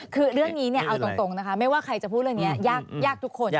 คือเรื่องนี้เอาตรงนะคะไม่ว่าใครจะพูดเรื่องนี้ยากทุกคน